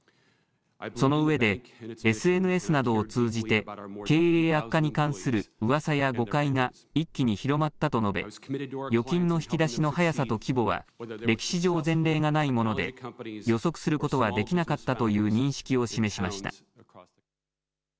そのうえでＳＮＳなどを通じて経営悪化に関するうわさや誤解が一気に広まったと述べ預金の引き出しの速さと規模は歴史上、前例がないもので予測することはできなかったという認識を示しました。